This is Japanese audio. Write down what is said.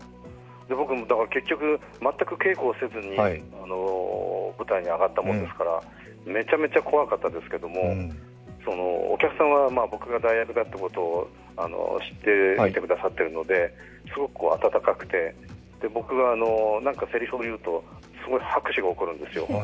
僕も全く稽古をせずに舞台に上がったもんですからめちゃめちゃ怖かったですけれども、お客さんは僕が代役だということを知っていてくださっているのですごく温かくて僕が何かせりふを言うと、拍手が起こるんですよ。